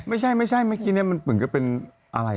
ไม่ใช่ไม่ใช่เมื่อกี้เนี่ยมันเหมือนกับเป็นอะไร